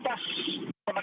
tidak pidana yang lain